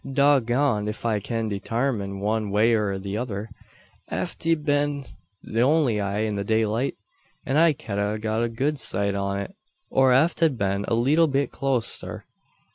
"Dog goned, ef I kin detarmine one way or the tother. Ef 't hed been only i' the daylight, an I ked a got a good sight on't; or eft hed been a leetle bit cloaster!